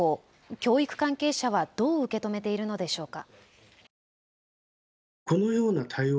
教育関係者はどう受け止めているのでしょうか。